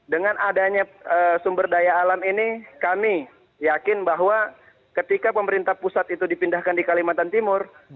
dengan adanya sumber daya alam ini kami yakin bahwa ketika pemerintah pusat itu dipindahkan di kalimantan timur